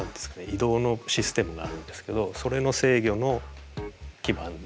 移動のシステムがあるんですけどそれの制御の基板です。